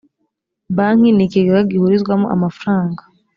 banki ni ikigega gihurizwamo amafaranga